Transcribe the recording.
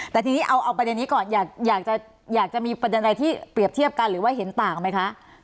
แต่ทีนี้ราชาติออกเป็นอย่างนี้ก่อนอยากมีปัจจัยที่เปรียบเทียบกันหรือว่าเห็นต่างไหมคะ